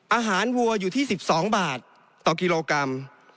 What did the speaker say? วัวอยู่ที่๑๒บาทต่อกิโลกรัม